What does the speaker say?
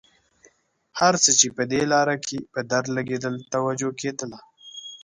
هر څه چې په دې لاره کې په درد لګېدل توجه کېدله.